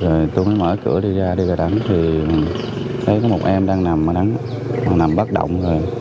rồi tôi mới mở cửa đi ra đi và đánh thì thấy có một em đang nằm bắt động rồi